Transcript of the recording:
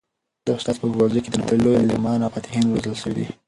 د استاد په ښوونځي کي د نړۍ لوی عالمان او فاتحین روزل سوي دي.